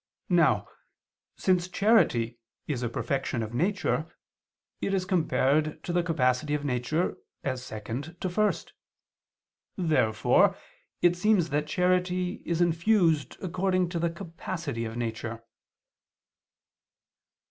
Now, since charity is a perfection of nature, it is compared to the capacity of nature as second to first. Therefore it seems that charity is infused according to the capacity of nature.